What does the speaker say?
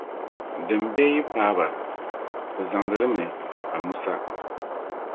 Din be yi paai ba, bɛ zaŋdi li mi m-pa Musa.